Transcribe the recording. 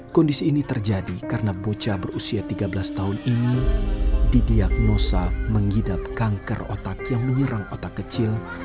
kondisi ini terjadi karena bocah berusia tiga belas tahun ini didiagnosa mengidap kanker otak yang menyerang otak kecil